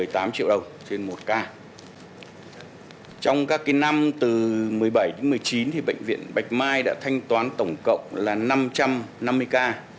từ một mươi bảy đến một mươi chín bệnh viện bạch mai đã thanh toán tổng cộng là năm trăm năm mươi ca